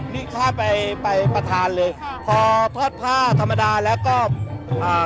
นี่ข้าไปไปประธานเลยค่ะพอทอดผ้าธรรมดาแล้วก็อ่า